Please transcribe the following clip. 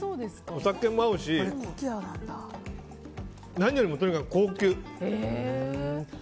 お酒も合うし何よりもとにかく高級。